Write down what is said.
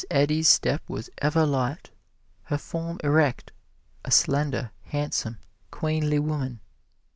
Eddy's step was ever light, her form erect a slender, handsome, queenly woman.